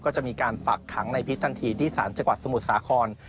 ก็จะมีการฝักขังในพิษทันทีที่สารจังหวัดสมุทรสาคร